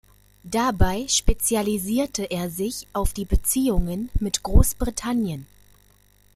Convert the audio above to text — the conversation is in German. Dabei spezialisierte er sich auf die Beziehungen mit Großbritannien.